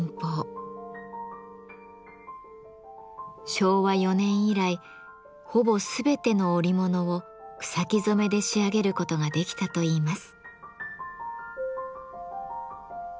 昭和４年以来ほぼ全ての織物を草木染めで仕上げることができたといいます。